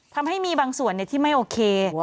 ทำให้มีบางส่วนที่ไม่โอเค